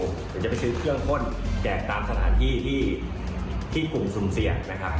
หรือจะไปซื้อเครื่องพ่นแก่งตามสถานที่ที่กลุ่มสูงเสียงนะครับ